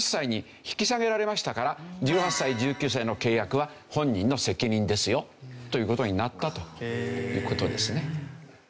１８歳１９歳の契約は本人の責任ですよという事になったという事ですね。